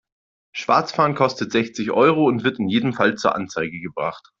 Schwarzfahren kostet sechzig Euro und wird in jedem Fall zur Anzeige gebracht.